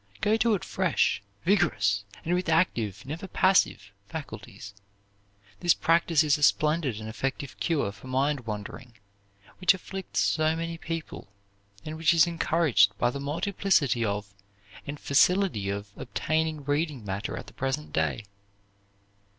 Go to it fresh, vigorous, and with active, never passive, faculties. This practise is a splendid and effective cure for mind wandering, which afflicts so many people, and which is encouraged by the multiplicity of and facility of obtaining reading matter at the present day.